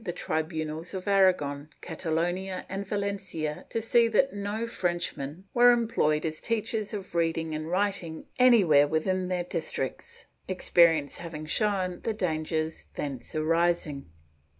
Ill] DIMINISHING NUMBERS 461 tribunals of Aragon, Catalonia and Valencia to see that no French men were employed as teachers of reading and writing anywhere within their districts, experience having shown the dangers thence arising.